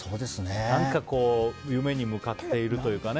何かこう夢に向かっているというか。